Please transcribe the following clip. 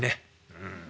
うん。